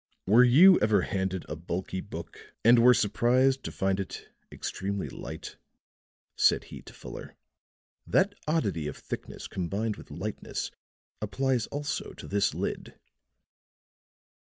"Were you ever handed a bulky book and were surprised to find it extremely light?" said he to Fuller. "That oddity of thickness combined with lightness applies also to this lid."